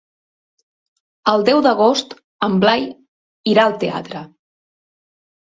El deu d'agost en Blai irà al teatre.